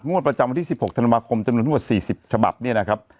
งวดประจำวันที่๑๖ธนาบาคมจำนวนทั่ว๔๐ฉบับนี่นะครับ